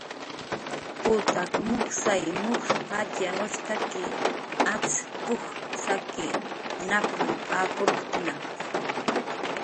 "Putak mujsay mujs jatxyanushtaki, acx p""uj saki nap""r ap""urktna"